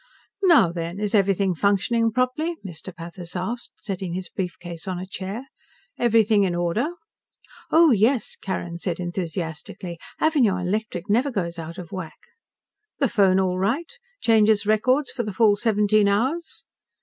"Now, then, is everything functioning properly?" Mr. Pathis asked, setting his briefcase on a chair. "Everything in order?" "Oh, yes," Carrin said enthusiastically. "Avignon Electric never goes out of whack." "The phone all right? Changes records for the full seventeen hours?"